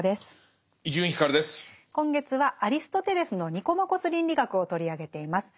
今月はアリストテレスの「ニコマコス倫理学」を取り上げています。